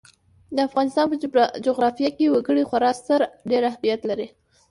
د افغانستان په جغرافیه کې وګړي خورا ستر او ډېر اهمیت لري.